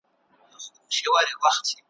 زه هم نه پرېږدم رمې ستا د پسونو ,